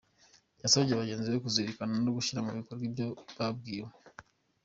Yasabye bagenzi be kuzirikana no gushyira mu bikorwa ibyo babwiwe.